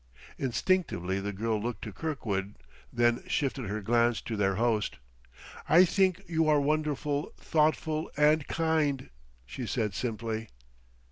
Instinctively the girl looked to Kirkwood; then shifted her glance to their host. "I think you are wonderfully thoughtful and kind," she said simply.